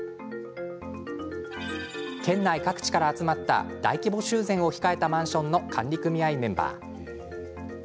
県内各地から集まった大規模修繕を控えたマンションの管理組合メンバー。